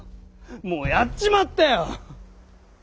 もうやっちまったよ！